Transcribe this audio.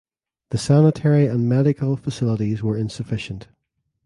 The sanitary and medical facilities were insufficient.